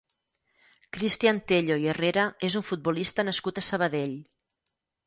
Cristian Tello i Herrera és un futbolista nascut a Sabadell.